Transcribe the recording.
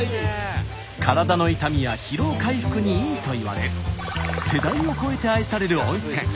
体の痛みや疲労回復にいいといわれ世代を超えて愛される温泉。